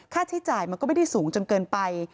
ใช้จ่ายมันก็ไม่ได้สูงจนเกินไป